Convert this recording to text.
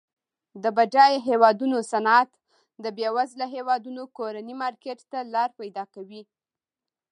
د بډایه هیوادونو صنعت د بیوزله هیوادونو کورني مارکیټ ته لار پیداکوي.